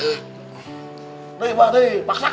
neng abah neng paksakan neng paksakan